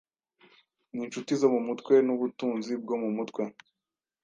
N'inshuti zo mu mutwe, n'ubutunzi bwo mu mutwe;